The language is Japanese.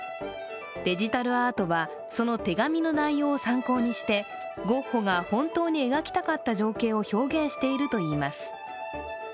デジタルアートは、その手紙の内容を参考にしてゴッホが本当に描きたかった情景を表現しているといいます。